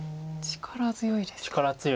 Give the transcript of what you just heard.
力強いです。